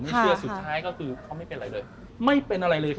เชื่อสุดท้ายก็คือเขาไม่เป็นอะไรเลยไม่เป็นอะไรเลย